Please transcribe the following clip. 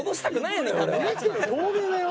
透明だよ？